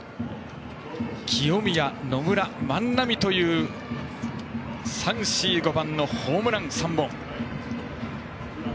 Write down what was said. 清宮、野村、万波という３、４、５番のホームラン３本。